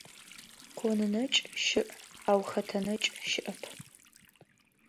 Кон нэкӀ щыӀ, ау хэтэ нэкӀ щыӀэп.